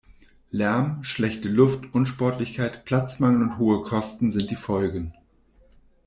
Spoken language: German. Lärm, schlechte Luft, Unsportlichkeit, Platzmangel und hohe Kosten sind die Folgen.